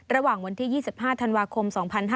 ระหว่างวันที่๒๕ธันวาคม๒๕๕๙